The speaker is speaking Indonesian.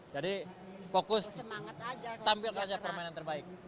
jadi fokus tampilkan aja permainan terbaik